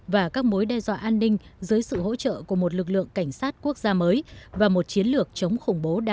và các mối đe dọa an ninh